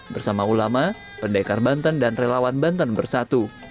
bersama ulama pendekar banten dan relawan banten bersatu